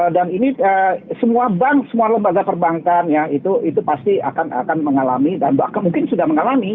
dan ini semua bank semua lembaga perbankan ya itu pasti akan mengalami dan mungkin sudah mengalami